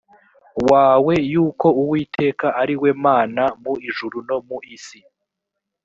wawe yuko uwiteka ari we mana mu ijuru no mu isi